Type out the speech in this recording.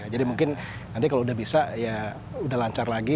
jadi mungkin nanti kalau udah bisa ya udah lancar lagi